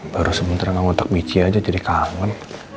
baru sementara nganggut takbici aja jadi kangen